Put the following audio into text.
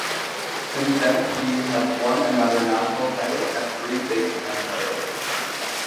Since then he has won another national title and three Big Ten titles.